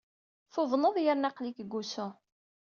Tuḍneḍ yerna aql-ik deg wusu.